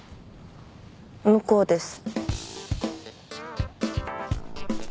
向こうです。